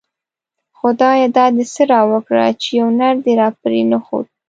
خدايه دا دی څه راوکړه ;چی يو نر دی راپری نه ښود